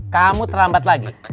kamu terlambat lagi